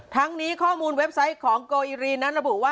ทั้งนี้ข้อมูลเว็บไซต์ของโกอิรีนั้นระบุว่า